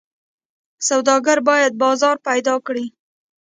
سوداګر باید بازار پیدا کړي.